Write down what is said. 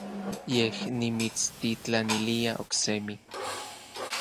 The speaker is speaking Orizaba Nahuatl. Yej nimitstitlanilia oksemi.